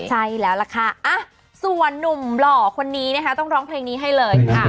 ใช่แล้วล่ะค่ะส่วนนุ่มหล่อคนนี้นะคะต้องร้องเพลงนี้ให้เลยค่ะ